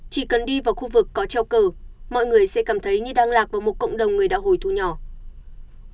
chỉ cần đi vào khu vực có treo cờ mọi người sẽ cảm thấy như đang lạc vào một cộng đồng người đạo hồi thu nhỏ